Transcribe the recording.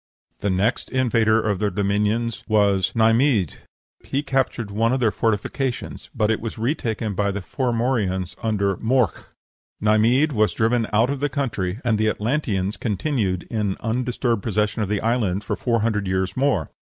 The next invader of their dominions was Neimhidh; he captured one of their fortifications, but it was retaken by the Formorians under "Morc." Neimhidh was driven out of the country, and the Atlanteans continued in undisturbed possession of the island for four hundred years more.